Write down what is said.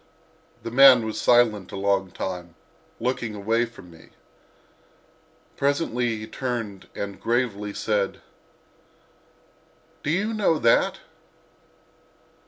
The man was silent a long time, looking away from me. Presently he turned and gravely said: "Do you know that?"